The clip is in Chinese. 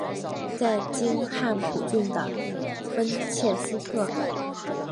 在今汉普郡的温切斯特。